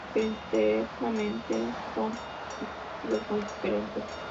Pero internamente son dispositivos muy diferentes.